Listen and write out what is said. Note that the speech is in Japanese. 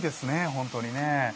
本当にね。